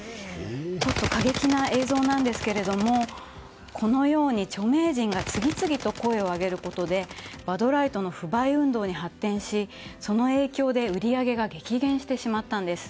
ちょっと過激な映像ですがこのように著名人が次々と声を上げることでバドライトの不買運動に発展しその影響で売り上げが激減してしまったんです。